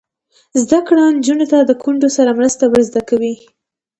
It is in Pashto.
زده کړه نجونو ته د کونډو سره مرسته ور زده کوي.